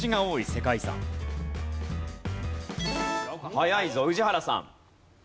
早いぞ宇治原さん。